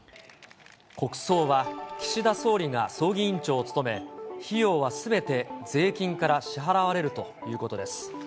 国葬は岸田総理が葬儀委員長を務め、費用はすべて税金から支払われるということです。